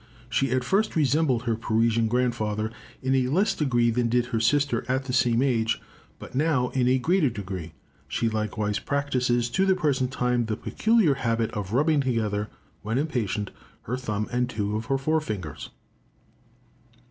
She at first resembled her Parisian grandfather in a less degree than did her sister at the same age, but now in a greater degree. She likewise practises to the present time the peculiar habit of rubbing together, when impatient, her thumb and two of her fore fingers.